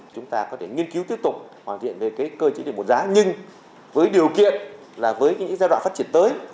chúng ta có thể nghiên cứu tiếp tục hoàn thiện về cái cơ chế điện một giá nhưng với điều kiện là với những giai đoạn phát triển tới